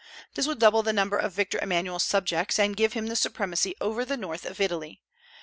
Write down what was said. This would double the number of Victor Emmanuel's subjects, and give him the supremacy over the north of Italy.